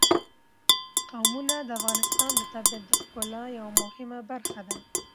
قومونه د افغانستان د طبیعت د ښکلا یوه مهمه برخه ده.